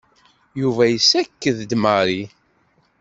Yuba yessaked-d Mary.